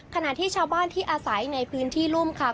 ขณะที่ชาวบ้านที่อาศัยในพื้นที่รุ่มค่ะ